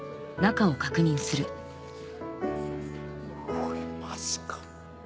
おいマジか。